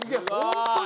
本当に！？